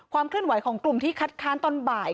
เคลื่อนไหวของกลุ่มที่คัดค้านตอนบ่าย